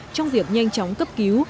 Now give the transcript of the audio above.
trong việc nhanh chóng cấp cứu